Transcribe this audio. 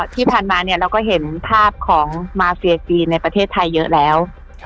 ที่ผ่านมาเนี่ยเราก็เห็นภาพของมาเฟียจีนในประเทศไทยเยอะแล้ว